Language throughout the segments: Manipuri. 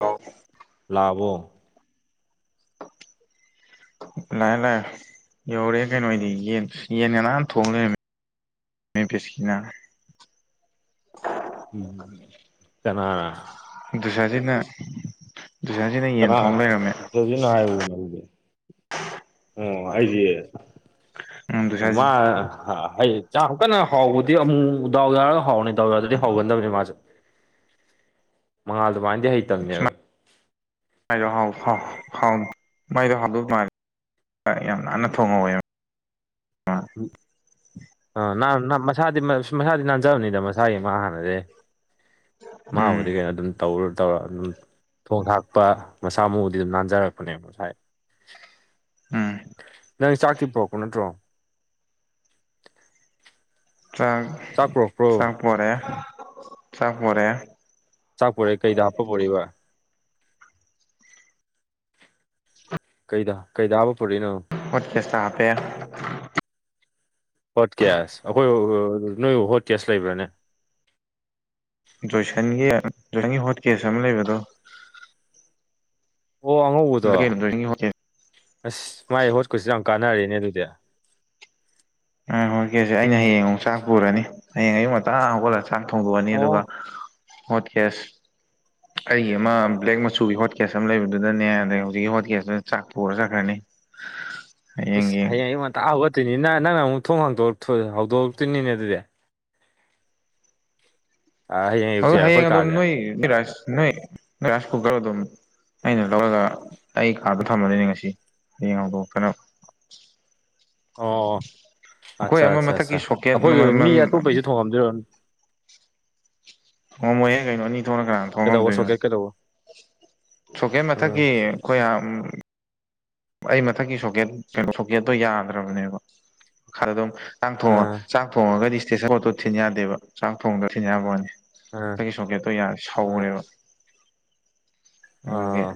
ꯂꯥꯛꯑꯦ ꯂꯥꯛꯑꯕꯣ ꯂꯥꯛꯑꯦ-ꯂꯥꯛꯑꯦ ꯌꯧꯔꯛ ꯑꯥ ꯀꯩꯅꯣ ꯑꯩꯗꯤ ꯌꯦꯟ- ꯌꯦꯟꯒ ꯅꯥꯟ ꯊꯣꯡ ꯂꯩꯔꯝꯃꯦ꯫ ꯃꯤ ꯐꯤꯁꯀꯤꯅ ꯀꯅꯥꯅꯥ ꯗꯨꯁꯖꯤꯠꯅ ꯀꯅꯥ ꯗꯨꯁꯖꯤꯠꯅꯣ ꯍꯥꯏꯕ ꯑꯗꯨꯗꯤ ꯑꯣ ꯑꯩꯗꯤ ꯎꯝ ꯗꯨꯁꯥꯁꯤ ꯃꯥ-ꯍꯩ-ꯆꯥꯎ ꯀꯟꯅ ꯍꯥꯎꯕꯨꯗꯤ ꯑꯃꯨꯛ-ꯃꯨꯛ ꯗꯥꯎ ꯌꯥꯎꯔꯒ ꯍꯥꯎꯕꯅꯤ ꯗꯥꯎ ꯌꯥꯗ꯭ꯔꯗꯤ ꯍꯧꯒꯟꯗꯕꯅꯤ ꯃꯥꯖꯨ꯫ ꯃꯉꯥꯜꯗꯨꯃꯥꯏꯟꯗꯤ ꯍꯩꯇꯝꯅꯦꯕ꯫ ꯍ-ꯍꯥꯎ ꯃꯥꯏꯗꯣ ꯍꯥꯎꯗꯧ ꯃꯥꯥꯜꯂꯤ꯫ ꯌꯥꯝ ꯅꯥꯟꯅ ꯊꯣꯡꯉꯧꯋꯦꯕ꯫ ꯎꯝ ꯑ ꯅꯥꯟ-ꯅ -ꯃꯁꯥꯗꯤ-ꯃꯁꯥꯗꯤ ꯅꯥꯟꯖꯕꯅꯤꯗ ꯃꯁꯥꯒꯤ ꯃꯥ ꯍꯥꯟꯅꯗꯩ꯫ ꯎꯝ ꯃꯥꯕꯨꯗꯤ ꯑꯗꯨꯝ ꯇꯧꯔ ꯇꯧꯔ ꯑꯗꯨꯝ ꯊꯣꯡ-ꯊꯥꯛꯄ ꯃꯁꯥ ꯃꯎꯗꯤ ꯑꯗꯨꯝ ꯅꯥꯟꯖꯔꯛꯄꯅꯦꯕ ꯃꯁꯥꯏ꯫ ꯎꯝ ꯅꯪ ꯆꯥꯛꯇꯤ ꯄꯣꯔꯛꯄ ꯅꯠꯇ꯭ꯔꯣ꯫ ꯆꯥꯛ ꯆꯥꯛ ꯄꯨꯔꯛꯄ꯭ꯔꯣ ꯆꯥꯛꯄꯣꯔꯛꯑꯦ ꯆꯥꯛꯄꯣꯔꯛꯑꯦ꯫ ꯆꯥꯛꯄꯣꯔꯛ ꯑꯩ ꯀꯩꯗ ꯍꯥꯞꯄ ꯄꯣꯔꯛꯏꯕ ꯀꯩꯗ ꯀꯩꯗꯕ ꯍꯥꯞꯄ ꯄꯨꯔꯛꯏꯅꯣꯕꯥ ꯍꯣꯠ ꯀꯦꯁꯇ ꯍꯥꯞꯄꯦ ꯍꯣꯠ ꯀꯦꯁ ꯑꯩꯈꯣꯏ ꯑꯣ-ꯑꯣ ꯅꯣꯏꯕꯨ ꯍꯣꯠ ꯀꯦꯁ ꯂꯩꯕ꯭ꯔꯥꯅꯦ ꯖꯣꯏꯁꯟꯒꯤ ꯖꯣꯏꯁꯟꯒꯤ ꯍꯣꯠ ꯀꯦꯁ ꯑꯃ ꯂꯩꯕꯗꯣ ꯑꯣ ꯑꯉꯧꯕꯗꯣ [unintelligible] ꯌꯥꯎꯗꯦ ꯑꯁ ꯃꯥꯏ ꯍꯣꯠꯀꯨꯁꯁꯨ ꯌꯥꯝ ꯀꯥꯟꯅꯔꯦꯅꯦ ꯑꯗꯨꯗꯤ ꯀꯦꯁꯦ ꯑꯩꯅ ꯍꯌꯦꯡ ꯑꯃꯨꯛ ꯆꯥꯛ ꯄꯨꯔꯅꯤ ꯍꯌꯦꯡ ꯑꯌꯨꯛ ꯉꯟꯇꯥ ꯍꯧꯒꯠꯂ ꯆꯥꯛ ꯊꯣꯡꯗꯣꯛꯑꯅꯤ ꯑꯗꯨꯒ ꯑꯣ ꯍꯣꯠꯀꯦꯁ ꯑꯩꯒꯤ ꯑꯃ ꯕ꯭ꯂꯦꯛ ꯃꯆꯨꯒꯤ ꯍꯣꯠ ꯀꯦꯁ ꯑꯃ ꯂꯩꯕꯗꯨꯗꯅꯦ ꯑꯗꯩ ꯍꯨꯖꯤꯛꯀꯤ ꯍꯣꯠ ꯀꯦꯁꯇꯨꯗ ꯆꯥꯛ ꯄꯨꯔ ꯆꯠꯈ꯭ꯔꯅꯤ꯫ [inaudible] ꯏꯁꯁ ꯍꯌꯦꯡꯒꯤ ꯍꯌꯦꯡ ꯑꯌꯨꯛ ꯉꯟꯇꯥꯥꯛ ꯍꯧꯒꯠꯇꯣꯏꯅꯤꯅ ꯅꯪꯅ ꯑꯃꯨꯛ ꯊꯣꯡꯍꯥꯡꯇꯣ-ꯊꯣ- ꯍꯧꯗꯣꯔꯛꯇꯣꯏꯅꯤꯅꯦ ꯑꯗꯨꯗꯤ꯫ ꯑ ꯍꯌꯦꯡ ꯑꯗꯨ ꯑꯌꯨꯛꯁꯦ ꯑꯩꯈꯣꯏ ꯍꯌꯦꯡ ꯑꯗꯨꯝ ꯀꯥꯁꯦ ꯅꯣꯏ ꯅꯁ ꯅꯣꯏ ꯔꯥꯏꯁ ꯀꯨꯀꯔ ꯑꯗꯨꯝ ꯑꯅ ꯇꯒꯒ ꯑꯩ ꯀꯥꯔꯗ ꯊꯝꯃꯅꯤꯅꯦ ꯉꯁꯤ ꯍꯌꯦꯡ ꯍꯧꯗꯣꯛꯇꯅꯕ ꯑꯣ ꯑꯩꯈꯣꯏ ꯑꯠꯆꯥ ꯑꯃ ꯑꯠꯆꯥ ꯑꯠꯆꯥ ꯃꯊꯛꯀꯤ ꯁꯣꯀꯦꯠ ꯑꯩꯈꯣꯏꯒꯤ ꯃꯤ ꯑꯇꯣꯞꯄꯩꯁꯨ ꯊꯣꯡꯉꯝꯗꯣꯏꯔ ꯑꯣ ꯃꯣꯏ ꯌꯦ ꯀꯩꯅꯅꯣꯅꯤ ꯊ ꯊꯣꯛꯅ ꯀꯅꯥꯅ ꯊꯣꯛꯣꯡ ꯀꯩꯗꯧꯕ ꯉꯝꯗꯣꯏꯅꯣ ꯁꯣꯀꯦꯠ ꯀꯩꯗꯧꯕ ꯁꯣꯀꯦꯠ ꯎꯝ ꯃꯊꯛꯀꯤ ꯑꯩꯈꯣꯏ ꯑꯩ ꯃꯊꯛꯀꯤ ꯁꯣꯀꯦꯠ ꯀꯩꯅꯣ ꯁꯣꯀꯦꯠꯇꯣ ꯌꯥꯗ꯭ꯔꯕꯅꯦꯕ ꯃꯈꯥꯗ ꯑꯗꯨꯝ ꯆꯥꯛ ꯊꯣꯡꯉ ꯎꯝ ꯆꯥꯛ ꯊꯣꯡꯉꯒꯗꯤ ꯏꯁꯇꯦꯁꯟ ꯄꯣꯠꯇꯣ ꯊꯤꯟ ꯌꯥꯗꯦꯕ ꯆꯥꯛ ꯊꯣꯡꯗꯣ ꯊꯤꯟ ꯌꯥꯕꯅꯤ ꯎꯝ ꯑꯩꯒꯤ ꯁꯣꯀꯦꯠꯇꯣ ꯌꯥ ꯎꯝ ꯁꯥꯎꯔꯦꯕ ꯑꯗꯨꯦ ꯑꯥ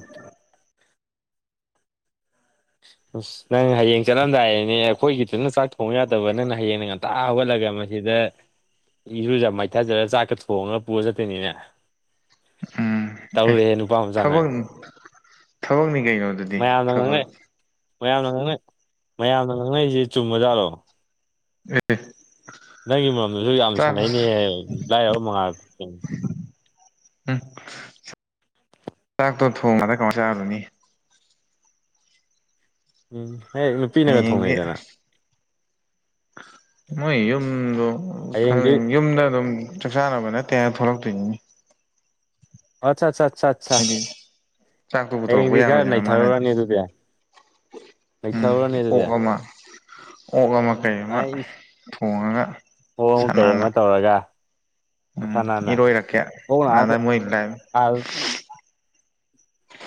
[inaudible] ꯑꯁ ꯅꯪ ꯍꯌꯦꯡ ꯆꯠꯂꯝꯗꯥꯏꯅꯦ ꯑꯩꯈꯣꯏꯒꯤꯗꯨꯅ ꯆꯥꯛ ꯊꯣꯡꯕ ꯌꯥꯗꯕ ꯅꯪꯅ ꯍꯌꯦꯡꯗ ꯉꯟꯇꯥ ꯍꯧꯒꯠꯂꯒ ꯃꯁꯤꯗ ꯁꯤꯗ ꯏꯔꯨꯖ ꯃꯥꯏꯊꯖꯔꯒ ꯆꯥꯛꯀ ꯊꯣꯡꯉꯒ ꯄꯨꯔ ꯆꯠꯇꯣꯏꯅꯤꯅꯦ ꯎꯝ ꯑꯦ ꯇꯥꯎꯔꯦ ꯅꯨꯨꯄꯥ ꯑꯃꯖꯦ ꯊꯕꯛ ꯊꯕꯛꯅꯤ ꯀꯩꯅꯣ ꯑꯗꯨꯗꯤ ꯉꯥꯡꯅꯩ ꯊꯕꯛ ꯃꯌꯥꯝꯅ ꯉꯥꯡꯅ ꯃꯌꯥꯝꯅ ꯉꯥꯡꯅꯔꯤꯁꯦ ꯆꯨꯝꯕꯖꯥꯔꯣ ꯎꯝ ꯅꯪꯒꯤ ꯃꯔꯝꯗꯁꯨ ꯌꯥꯝ ꯁꯥꯟꯅꯩꯅꯦꯍ ꯂꯥꯏꯔꯕ ꯃꯉꯥꯜ ꯎꯝ ꯛꯇꯣ ꯊꯣꯡꯉꯗ ꯀ ꯆꯥꯔꯗꯨꯅꯤ ꯎꯝ ꯍ ꯅꯨꯄꯤꯅꯒ ꯍꯌꯦꯡꯗꯤ ꯊꯣꯡꯅꯩꯗꯅ ꯃꯣꯏ ꯌꯨꯝꯗꯣ ꯈ ꯍꯌꯦꯡꯗꯤ ꯌꯨꯝꯗ ꯑꯗꯨꯝ ꯆꯥꯛ ꯆꯥꯅꯕ ꯅꯠꯇꯦꯅ ꯊꯣꯛꯂꯛꯇꯣꯏꯅꯤ ꯑꯠ ꯑꯠ ꯑꯠ ꯑꯠ ꯍꯥꯏꯗꯤ ꯆꯥꯛꯇꯣ ꯄꯨꯊꯣꯔꯛꯄ ꯍꯌꯦꯡꯗꯤ ꯈꯔ ꯌꯥꯔꯣꯏꯗꯅ ꯃꯥꯅꯗꯤ ꯅꯩꯊꯔꯨꯔꯅꯤ ꯑꯗꯨꯗꯤ ꯎꯝ ꯂꯩꯊꯔꯅꯦ ꯑꯣꯛ ꯑꯗꯨꯗꯤ ꯑꯃ ꯑꯣꯛ ꯑꯃ ꯀꯩ ꯑꯃ ꯊꯣꯡꯉꯒ ꯑꯣ ꯑꯃ ꯀꯩ ꯁꯅꯥꯅ ꯑꯃ ꯇꯧꯔꯒ ꯎꯝ ꯀꯁꯅꯥꯅꯥ ꯏꯔꯣꯏꯔꯛꯀꯦ ꯀꯅ ꯑꯥꯗ ꯃꯣꯏ ꯂꯥꯏ ꯑꯜ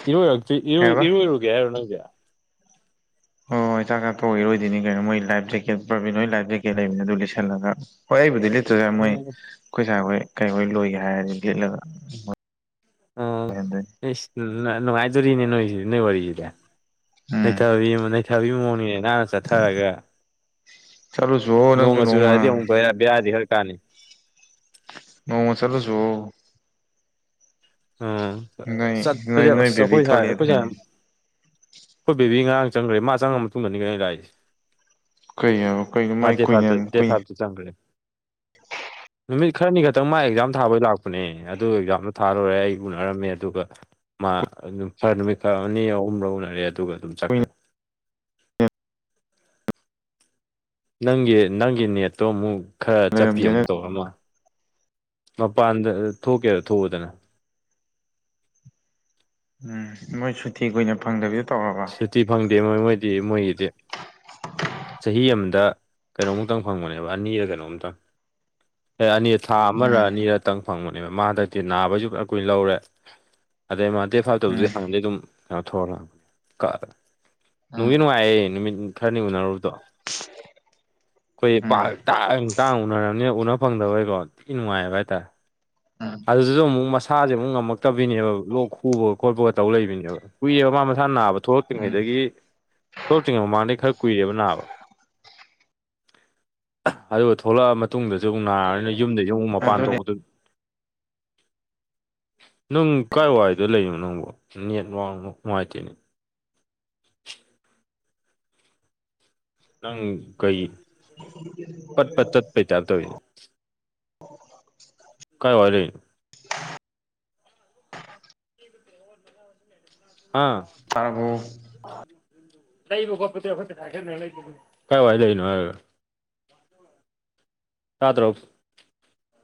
ꯏꯔꯣꯏꯔꯛꯇ ꯏꯔ ꯀꯩ ꯍꯥꯏꯕ ꯏꯔꯣꯏ ꯏꯔꯒꯦ ꯍꯥꯏꯔꯣ ꯅꯪꯦ ꯍꯣꯏ ꯍꯣꯏ ꯆꯥꯛ ꯆꯥꯊꯣꯛ ꯑꯣꯏꯔꯣꯏꯅꯤ ꯀꯩꯅꯣ ꯃꯣꯏ ꯂꯥꯏꯐ ꯖꯦꯀꯦꯠ ꯄ꯭ꯔꯥꯕꯤꯟ ꯍꯣꯏ ꯂꯥꯏꯐ ꯖꯦꯀꯦꯠ ꯂꯩꯕꯅꯤ ꯑꯗꯨ ꯂꯤꯁꯜꯂꯒ ꯍꯣꯏ ꯑꯩꯕꯨꯗꯤ ꯑꯗꯨꯗ ꯃꯣꯏ ꯑꯩꯈꯣꯏ ꯁꯥꯥꯈꯣꯏ ꯀꯔꯤꯈꯣꯏ ꯂꯣꯏꯒꯦ ꯍꯥꯏꯔꯗꯤ ꯌꯦꯠꯂꯒ ꯑꯣ ꯅꯅꯨꯡꯉꯥꯏꯖꯔꯤꯅꯦ ꯅꯣꯏ ꯋꯥꯔꯤ ꯋꯥꯔꯤꯁꯤꯗ ꯎꯝ ꯂꯩꯊꯕꯤ ꯂꯩꯊꯕꯒꯤ ꯃꯑꯣꯡꯅꯤꯅꯦ ꯅꯍꯥꯛꯅ ꯆꯠꯊꯔꯒ ꯆꯠꯂꯨꯆꯣ ꯅꯪꯁꯨ ꯅꯣꯡꯃ ꯆꯨꯔꯛꯑꯗꯤ ꯑꯃꯨꯛꯛꯇ ꯍꯔ ꯕꯔꯗꯤ ꯍꯥꯏꯔ ꯀꯥꯟꯅꯤ ꯃꯃ ꯆꯠꯂꯁꯨ ꯎꯝ ꯅꯣꯏ ꯅꯣꯏ ꯆꯠꯄꯁꯦ ꯅꯣꯏ ꯑꯁ ꯕꯦꯕꯤ ꯑꯩꯈꯣꯏ ꯁꯥꯏ ꯑꯩꯈꯣꯏ ꯁꯥꯏ ꯊꯣꯛꯂꯛꯑꯦꯗꯥꯏꯅꯦ ꯍꯣꯏ ꯕꯦꯕꯤ ꯉꯔꯥꯡ ꯆꯪꯈ꯭ꯔꯦ ꯃꯥ ꯆꯪꯉ ꯃꯇꯨꯡꯗꯅꯤ ꯀ ꯂꯥꯛꯏꯁꯦ ꯀꯩ ꯀꯩꯅꯣ ꯃꯥꯏ ꯃꯥꯗꯤꯦ ꯐꯥꯔꯖ ꯀꯨꯏꯅ ꯗꯦ ꯀꯨꯏ ꯐꯔꯖ ꯆꯥꯡꯒꯂ ꯅꯨꯃꯤꯠ ꯈꯔꯅꯤ ꯈꯛꯇꯪ ꯃꯥ ꯑꯦꯛꯖꯥꯝ ꯊꯥꯕꯩ ꯂꯥꯛꯄꯅꯦ ꯑꯗꯨ ꯑꯦꯛꯖꯥꯝꯗꯣ ꯊꯥꯔ ꯇꯔꯦ ꯑꯩ ꯎꯅꯔꯝꯃꯦ ꯑꯗꯨꯒ ꯃꯥ ꯑꯗꯨꯝ ꯈꯔ ꯅꯨꯃꯤꯠ ꯈꯔ ꯑꯅꯤ ꯑꯍꯨꯝꯂ ꯎꯅꯔꯦ ꯑꯗꯨꯒ ꯑꯗꯨꯝ ꯆꯠꯈ꯭ꯔꯦ ꯅꯪꯒꯤ ꯅꯪꯒꯤ ꯅꯦꯠꯇꯣ ꯑꯃꯨꯛ ꯈꯔ ꯆꯥꯛꯄꯤ ꯂꯩꯔꯝꯗꯦꯅꯦ ꯑꯃꯨꯛ ꯇꯧꯔꯝꯃ ꯃꯄꯥꯟꯗ ꯊꯣꯛꯀꯦ ꯊꯣꯛꯎꯗꯅ ꯎꯝ ꯃꯣꯏ ꯁꯨꯊꯤ ꯑꯣꯏꯅ ꯐꯪꯗꯕꯤ ꯁꯨꯇꯤ ꯐꯪꯗꯦ ꯃꯣꯏ ꯃꯣꯏꯗꯤ ꯃꯣꯏꯒꯤꯗꯤ ꯆꯍꯤ ꯑꯃꯗ ꯀꯩꯅꯣꯝꯛꯇꯪ ꯐꯪꯕꯅꯦꯕ ꯑꯅꯤꯔ ꯀꯩꯅꯣꯝꯇꯪ ꯑꯦ ꯑꯅꯤ ꯊꯥ ꯑꯃꯔ ꯎꯝ ꯑꯅꯤꯔꯇꯪ ꯐꯪꯕꯅꯦꯕ ꯃꯥ ꯍꯟꯗꯛꯇꯤ ꯅꯥꯕꯩꯁꯨ ꯈ ꯑꯩ ꯀꯨꯏꯅ ꯂꯧꯔꯦ ꯑꯗꯩ ꯃꯥ ꯗꯦ ꯐꯥꯏꯕ ꯇꯧꯗꯨꯗꯤ ꯎꯝ ꯍꯪꯅꯗꯤ ꯑꯗꯨꯝ ꯀꯩꯅꯣ ꯊꯑ ꯂꯅꯤ ꯀꯥ ꯅꯨꯡꯗꯤ ꯅꯨꯡꯉꯥꯏꯌꯦ ꯅꯨꯃꯤꯠ ꯈꯔꯅꯤ ꯎꯅꯔꯨꯕꯗꯣ ꯑꯩꯈꯣꯏ ꯄꯥꯛ ꯎꯝ ꯇꯥꯡ ꯇꯥꯡ ꯎꯅꯔꯕꯅꯤꯅ ꯎꯅ ꯐꯪꯗꯕꯩꯀꯣ ꯊꯤ ꯅꯨꯡꯉꯥꯏꯑꯕ ꯍꯥꯏꯇꯥꯔꯦ ꯎꯝ ꯑꯗꯨꯗꯁꯨ ꯑꯃꯨꯛ ꯃꯁꯥꯁꯦ ꯑꯃꯨꯛ ꯉꯝꯃꯛꯇꯕꯤꯅꯦꯕ ꯂꯣꯛ ꯈꯨꯕꯒ ꯈꯣꯠꯄꯒ ꯇꯧ ꯂꯩꯕꯅꯦꯕ ꯀꯨꯏꯑꯕ ꯃꯁꯥ ꯃꯁꯥ ꯅꯥꯕ ꯎꯝ ꯊꯣꯛꯂꯛꯇ꯭ꯔꯤꯉꯩꯗꯒꯤ ꯊꯣꯛꯂꯛꯇ꯭ꯔꯤꯉꯩ ꯃꯃꯥꯡꯗꯩꯩ ꯈꯔ ꯀꯨꯏꯔꯦꯕ ꯅꯥꯕ ꯑꯗꯨꯒ ꯊꯣꯛꯂꯛꯑ ꯃꯇꯨꯡꯗꯁꯨ ꯑꯃꯨꯛ ꯅꯥꯔꯅꯤꯅ ꯌꯨꯝꯗ ꯑꯝꯨꯛ ꯃꯄꯥꯟ ꯑꯗꯨꯅꯦ ꯊꯣꯛꯄꯗꯨ [unintelligible] ꯅꯪ ꯀꯥꯏ ꯋꯥꯏꯗ ꯂꯩꯅꯣ ꯅꯪꯕꯨ ꯅꯦꯠ ꯋꯥꯡꯅ ꯅꯨꯡꯉꯥꯏꯇꯦꯅꯦ [inaudible] ꯅꯪ ꯀꯩ ꯄꯠ ꯄꯠ ꯇꯠꯄꯩ ꯆꯥ ꯇꯧꯔꯤ ꯀꯥꯏ ꯋꯥꯏ ꯂꯩꯔꯤꯅꯣ ꯍꯥ ꯇꯔꯕꯣ ꯀꯥꯏꯗ ꯍꯥꯏ ꯆꯥꯗ꯭ꯔꯣ